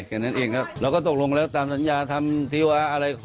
แค่นั้นเองครับเราก็ตกลงแล้วตามสัญญาทำทีวาอะไร